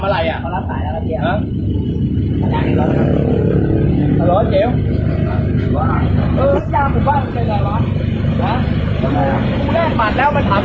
ว่าพวกมันทำอะไรอ่ะ